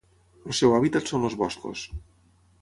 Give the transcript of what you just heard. El seu hàbitat són els boscos.